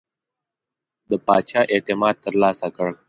د پاچا اعتماد ترلاسه کړ.